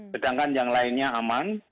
sedangkan yang lainnya aman